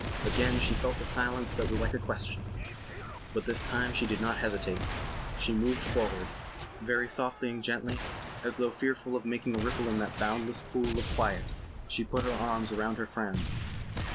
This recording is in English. Again she felt the silence that was like a question. But this time she did not hesitate. She moved forward. Very softly and gently, as though fearful of making a ripple in that boundless pool of quiet she put her arms round her friend.